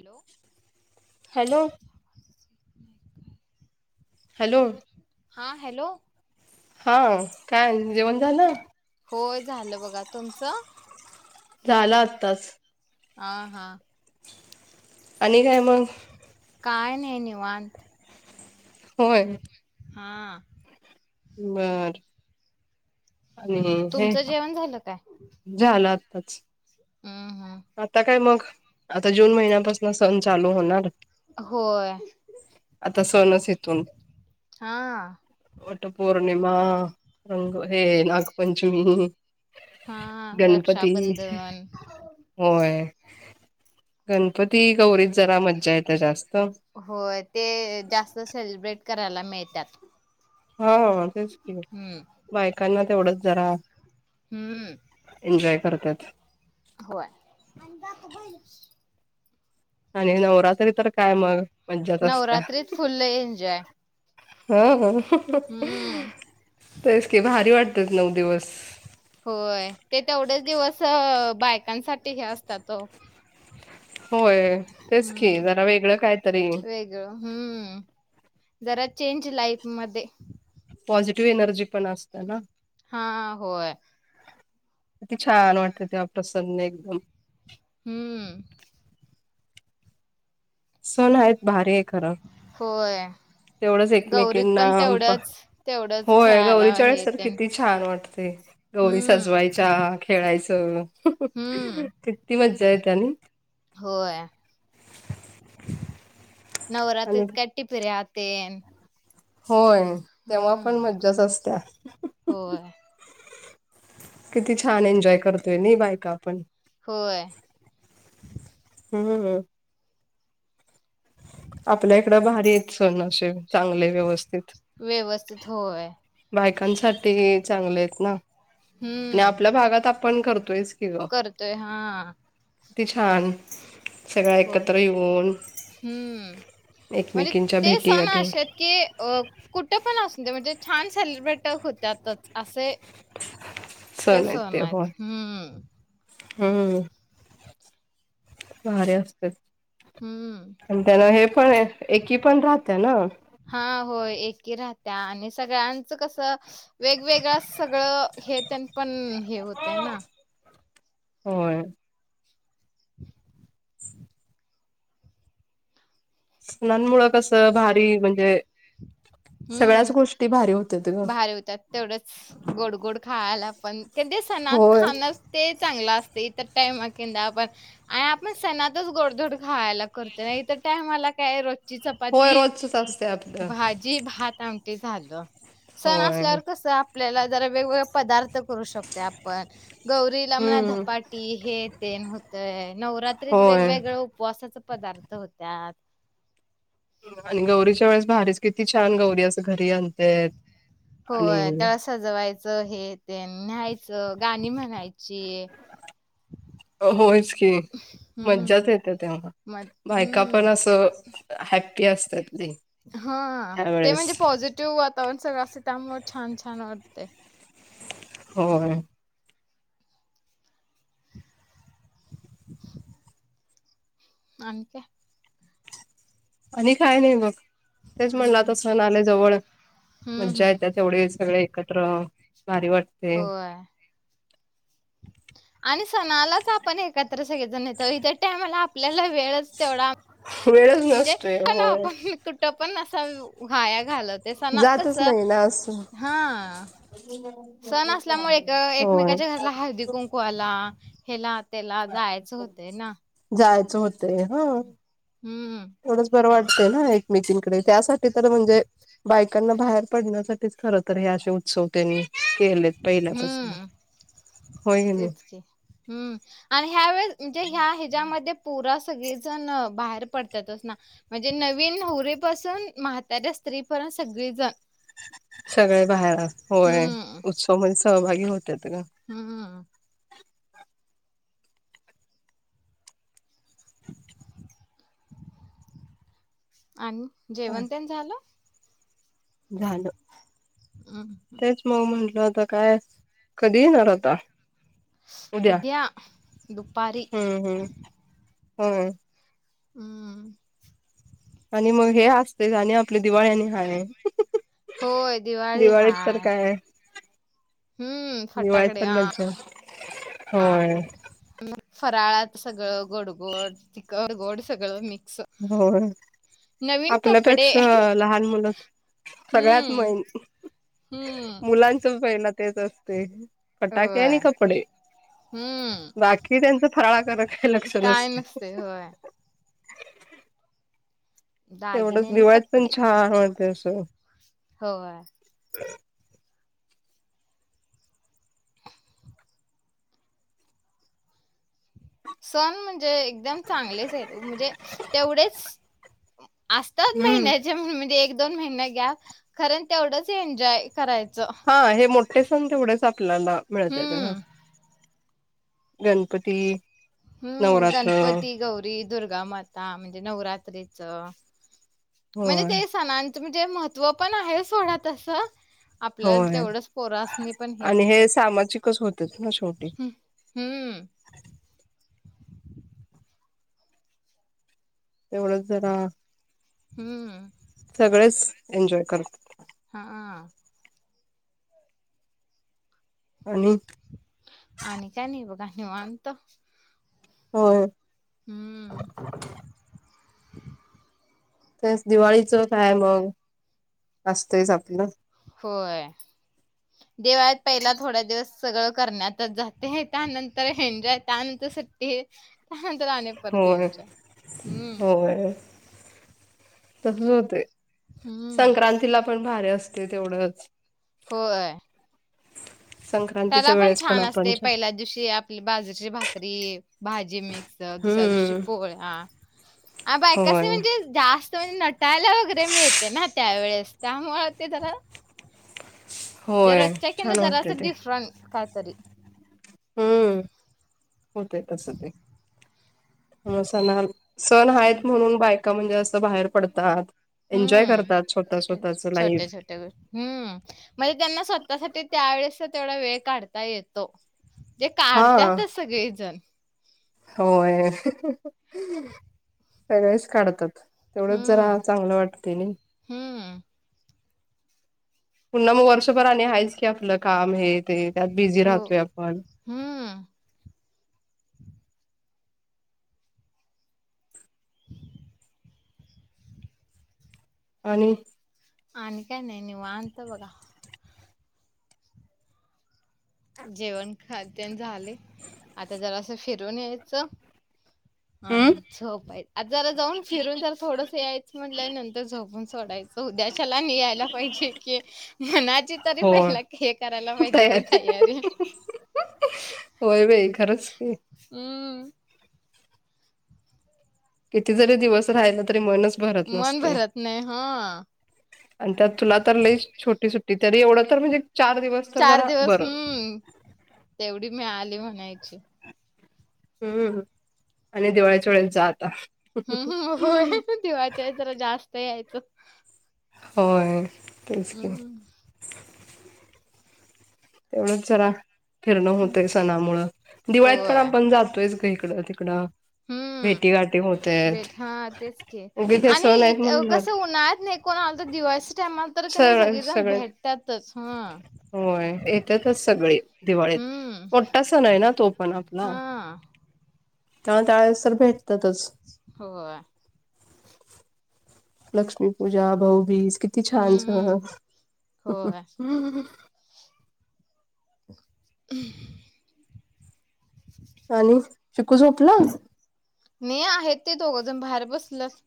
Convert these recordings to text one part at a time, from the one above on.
Hello. Hello [inaudible] hello हां hello. हां कायन्, जेवण झालं? च झालं अत्ताच. आं हां आणि काय मंग काय नाही निवांत. होय हां बर आणि हे तुमचं जेवण झालं ताच आहा आता काय मग, आता जून महिन्यापासुन, सण चालू होणार, होय आता तसं नसेल. हा. [inaudible] वट पौर्णिमा रंग हे नाग पंचमी हम्म हा, रक्षाबंधन होय. गणपती, गौरीत जरा मज्जा येते जास्त हो ते जास्त सेलीब्रेट करायला मिळतात. हा [unintelligible] हम्म. बायकांना तेवढंच जरा, हम्म इनफॅक्ट [unintelligible] होय. आणि नवरात्री तर काय मग मज्जाच असत्या. नवरात्रीत फुल एन्जॉय. हम्म. [unintelligible] [unintelligible] की भारी वाट तेच नऊ दिवस होत, ते तेवढेच दिवस बायकांसाठी हे असतात. ओ होय, तेच की हम्म. जरा वेगळं काय तरी, वेगळं हम्म, जरा चेंज लाईफ मध्ये पॉझिटिव्ह एनर्जी पण असत्याना, हा, होय. किती छान वाटते. तेव्हा प्रसन्न एकदम हम्म सण आहेत. भारी होय तेवढंच गौरीत एकमेकीना, पण तेवढंच तेवढंच होय खेळायला गौरीच्यावेळेस हे तर तेन किती छान वाटतंय. ते, गौरी हम्म सजवायच्या, खेळायचं. हम्म कीती मज्जा [unintelligible] होय. [inaudible] नवरात्रीत आणि काय टिपरऱ्या तेन होय तेव्हा पण हम्म मज्जाच असत्या होय किती छान एन्जॉय करतोय नाय, बायका आपण होय हम्म हम आपल्या इकड भारीयेत सण असे चांगले व्यवस्थित, व्यवस्थित होय बायकांसाठी चांगले ना आणि हम्म आपल्या भागात आपण करतोयच की ग, करतोय हा कीती छान सगळ्या होय एकत्र येऊन हम्म म्हणजे एकमेकींच्या ते भेटी सण गाठी असेत की कुठ पण अस म्हणजे छान सेलिब्रेट होत्यातच असे ते सण आहेत हम्म हम्म भारी असते हम्म. आणि त्यान हे पण एकी पण राहतं ना हां, होय एकी राहत्या आणि सगळ्यांचं कसं वेगवेगळं सगळं हे त्यां पण हे होतय ना हो सणांमुळे कसं भारी म्हणजे सगळ्याच हम्म गोष्टी भारी होत्यात ग. बाहेर होतात तेवढंच गोड गोड हा आला पण क सणात होय खाण ते चांगलं अस इतर टाइमला आपण आणि आपण सणातच गोडधोड खायला करतो नाही तर टाइमला काय रोजच ची होय चपाती- रोजचच असते आपलं भाजी भात -आमटी झालं सण होय असल्यावर कस आपल्याला जरा वेगवेगळे पदार्थ करू शकतो आपण गौरीला म्हणा हम्म धपाटी हेत प्रेम होतंय नवरात्रीत होय. वेगवेगळ्या उपवासाचं पदार्थ होत्यात आणि गौरीच्या वेळेस भारीच किती छान गौरी असं घरी आण तेत होय त्यांना सजवाय हे ते न्ह्यायच गाणी म्हणायची होयच की मज्जाच हम्म. येते तेव्हा मग बायका पण हम्म असं हॅप असतात लई ह ते त्यावेेळेस म्हणजे पॉझिटिव्ह वातावरण सगळं असं त्यामुळे छान छान ते होय [inaudible] आणते आणि काय नाही बघ तेच हम्म म्हणलं हम्म. आता सण आले जवळ हम्म मज्जा हम्म. येत तेवढे सगळे कट रोहो होय आणि सणालाच आपण एकत्र सगळेजण येतो इतर टायमाला आप आपल्याला वेळच तेवढा वेळच नसतोय होय ट पण असा वाया घालत ते सणात जातच कस नाही ना असं हा सण असल्यामुळे एक होय एकमेकाच्या घरला हळदी कुंकु आला हेला त्याला जायचं होते ना च होतंय हं! हम्म एवढच बरं वाट ना एकमेकींकडे त्यासाठी तर म्हणजे बायकांना बाहेर पडण्यासाठीच खर तर हे असे उत्सवतेनी केलेत पहिल्यापासून हम्म होय नाही तेच की हू आण ह्यावेेळेस म्हणजे ह्या हिच्यामध्ये पोरा सगळीजण बाहेर पडतातच ना म्हणजे नवीन होरी पासून म्हाताऱ्या स्त्री पर्यंत सगळीजण. सगळे बाहेर होय उत्सव म्हदे सहभागी [unintelligible] हू! [inaudible] आणि जेवन त्यान झालं. झालं. हम्म तेच मग म्हटलं. ता काय कधी येणार होता? उदया दुपारी हम हम्म आणि मग हे असते आणि आपल्या दिवाळ आणि हाय होय दिवाळी दिवाळीत तर हाय. काय हम्म दिवाळीत फटाकडे पण हा मज्जा होय. फराळात सगळं गोड -गोड तिखट गोड सगळं मी होय कपडे आपल्यापेक्षा लहान मुलं सगळ्यात हम्म माईन हम्म मुलांचं पहिला तेच असतय फटाके आणि होय कपडे हम्म बाकी त्यांच फराळाकडे काही लक्ष काय नसतय. नसते होय दागिने तेवढच आणि दिवाळीत पण कपडे छान वाटतंय अस होय सण म्ह ते एकदम चांगलेच आहेत म्हणजे तेवढेच असतात हम्म महिन्याचे म्हणजे एक दोन महिने घ्या कारण तेवढंच एन्जॉय करायचं हां हे मोठे सण तेवढेच. आपल्याला मिळतेय तेनं हम्म गणपती हम्म नवरात्र गणपती गौरी दुर्गामाता म्हणजे नवरात. रात्रीच म्हणजे होय तेच सनांच ते महत्त्व पण आहे सोडा तसं आपल्याला होय तेवढंच पोरासनी पण हे आणि होतं सामाजिकच होतेत ना शेवटी हम्म हम्म्म तेवढंच जरा हम्म हम्म सगळच एन्जॉय करत. हा हा आणि आणि काय नाही बघा निवांत. होय. हम्म [unintelligible] तेच दिवाळीच काय मग असतच आपलं होय दिवाळीत पहिला थोड्याच दिवस सगळं करण्यात जाते त्यानंतर एन्जॉय त्यानंतर सुट्टी त्यान होय होय [inaudible] तसच होतय हम्म. संक्रांतीला पण भारी असत. ते तेवढंच होय त्याला संक्रांतीच्या पण वेळेस छान आपण असते, पहिल्याच दिवशी आपली बाजूची भात भाकरी, भाजी मिक च दुसऱ्या दिवशी हम्म पोळ्या बायकसनी होय म्हणजे जास्त तुम्ही नटायला वगैरे मिळते ना त्यावेळेस त्यामुळे ते जरा होय जरोच्या कि छान वाटते जराचं ते डफरंट कायतरी हम्म होत तस ते सणा सण हम्म. आहेत म्हणून बायका म्हणजे बाहेर पडतात एन्जॉय करतात स्वतः हम्म स्वतःच लाईफ छोट्या छोट्या गोष्टी हम्म म्हणजे त्यांना स्वतःसाठी त्यावेेळेस तेवढा वेग काढता येतो जे हा काढतातच सगळेजण होय सगळेच काढतात. तेवढंच जरा हम्म. चांगलं वाटत नाय, हम्म. पुन्हा मग वर्षभर आणि आहेच की, आपलं काम हे ते त्यात बिझी हो. राहतोय आपण हम्म. आणि आणि काय नाही निवांत बगा जेवण खातन झाले आता जरासं फिरून यायचं हम्म आणि झोपा आ जरा जाऊन फिरून जरा थोडस या म्हटल्या नंतर झोपून सोडायचं, उद्या चला नियायला पाहिजे की मनाची तरी हो पहिला हे करायला पाहिजे की तयार ताई होय भई खरंच की हम ति जरी दिवस राहिला तरी मनच भरत मन नसतय भरत नाही हा आणि त्यात तुला तर लई छोटी सुट्टी तरी एवढं तर म्हणजे चार दिवस तर चार जरा दिवस बरं. हम्म तेवढी मीळाली म्हणाय ची उ हु आणि दिवाळीच्या वेळेस जा आता हम्म हम्म होय दिवाळीच्या येळेस जरा जास्त याय च होय. तेच उ की हु तेवढंच जरा फिरणं होतय सणामुळं, दिवाळीत पण होय आपण जातोयच की कडं तिकड हम्म भेटी गाठी, भेट हा तेच की उगीच हे आणि सण आहेत इत म्हणून बर कस उन्हाळ्यात नाही कोण आल तर दिवाळीच्या टायमाला तर कणी सगळ सगळीजण सगळे भेटत्यातच. होय येत्यातच सगळी दिवाळीत, हम्म मोट्टा सण आहे ना तो पण आपला हा तन त्या येळेस तर भेटत्यातच. होय लक्ष्मी पूजा, भाऊबीज किती छान सव हम्म होय [unintelligible] उह आणि चिकू झोपला. नई आहेत ते दोघं जण बाहेर बस ल्यात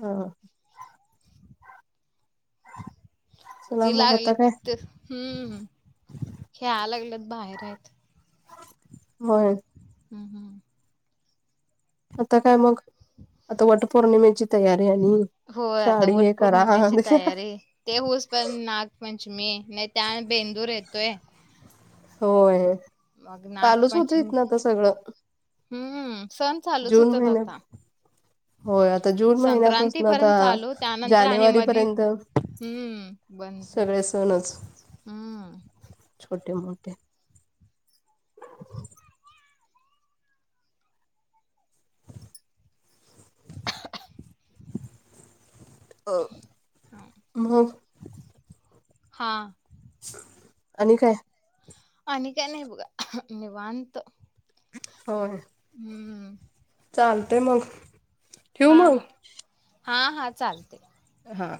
ह ह [inaudible] चला ते मग आता काय लागलेत हम्म खेळा लागलेत बाहेर आहेत. मग हम्म हम् आता काय मग, आता वटपौर्णिमेची तया होय आता वट पौर्णिमेची ते तयारी, ते होऊस पण नागपंचमी नय त्या बेंदूर ये तोय होय. चालूच होतय नागपंचमी हितन आता सगळं हम्म सण चालूच जून हुत्यात महिन्या आता, होय आता जून संक्रांती महिन्यापासून आता पर्यंत चालू त्यानंतर आणि जानेवारी मधी पर्यंत हम्म बंद सगळे सणच हम्म. ते मोटे अ हा [unintelligible] हा आणि काय? आणि काय नाही बघा ह निवांत होय हम्म चालतय मग, ठेऊ हा मग? हा हा हा चालतय हा